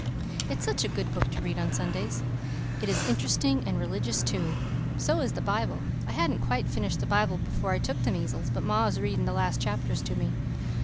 It's such a good book to read on Sundays. It is interesting and religious, too. So is the Bible. I hadn't quite finished the Bible before I took the measles, but ma is reading the last chapters to me.